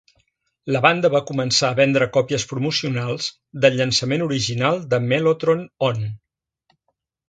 La banda va començar a vendre còpies promocionals del llançament original de Mellotron On!